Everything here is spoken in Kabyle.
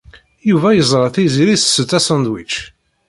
Yuba yeẓra Tiziri tsett asandwič.